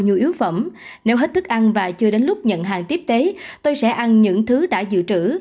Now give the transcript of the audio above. nhu yếu phẩm nếu hết thức ăn và chưa đến lúc nhận hàng tiếp tế tôi sẽ ăn những thứ đã dự trữ